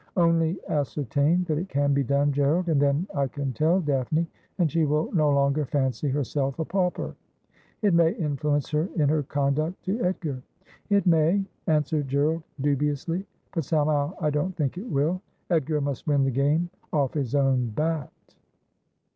' Only ascertain that it can be done, G erald, and then I can tell Daphne, and she will no longer fancy herself a pauper. It may influence her in her conduct to Edgar.' ' It may,' answered Gerald dubiously ;' but somehow I don't think it will. Edgar must win the game off his own bat.'